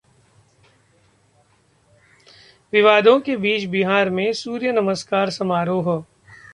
विवादों के बीच बिहार में सूर्य नमस्कार समारोह